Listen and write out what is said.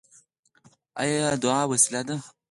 آیا دعا وسله ده؟